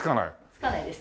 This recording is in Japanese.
付かないです。